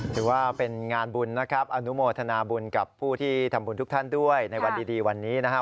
ถือว่าเป็นงานบุญนะครับอนุโมทนาบุญกับผู้ที่ทำบุญทุกท่านด้วยในวันดีวันนี้นะครับ